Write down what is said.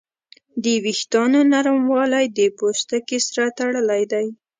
د وېښتیانو نرموالی د پوستکي سره تړلی دی.